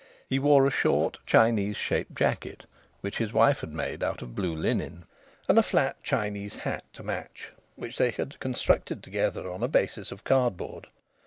He wore a short Chinese shaped jacket, which his wife had made out of blue linen, and a flat Chinese hat to match, which they had constructed together on a basis of cardboard.